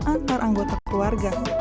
antara anggota keluarga